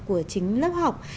của chính lớp học